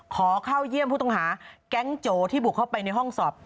ขอเข้าเยี่ยมผู้ต้องหาแก๊งโจที่บุกเข้าไปในห้องสอบ